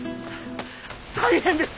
大変です！